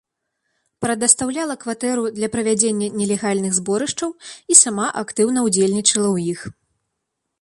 Прадастаўляла кватэру для правядзення нелегальных зборышчаў і сама актыўна ўдзельнічала ў іх.